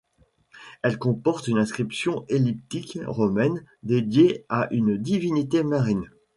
Elle comporte une inscription elliptique romaine, dédiée à une divinité marine.